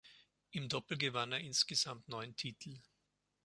Im Doppel gewann er insgesamt neun Titel.